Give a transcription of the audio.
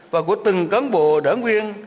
và của từng cán bộ đảng quyền